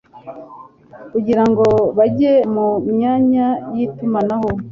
kugira ngo bajye mu myanya y''itumanaho